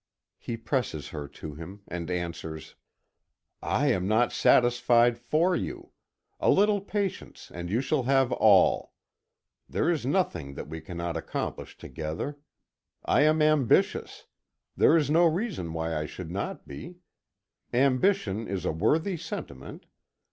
He presses her to him and answers: "I am not satisfied for you. A little patience, and you shall have all. There is nothing that we cannot accomplish together. I am ambitious. There is no reason why I should not be. Ambition is a worthy sentiment.